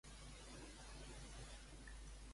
Quin altre terme pot al·ludir-hi?